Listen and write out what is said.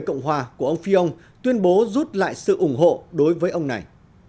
ôn hòa của ông fillon tuyên bố rút lại sự ủng hộ đối với ông này